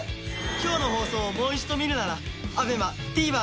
今日の放送をもう一度見るならＡＢＥＭＡＴＶｅｒで。